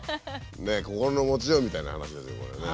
心の持ちようみたいな話ですねこれね。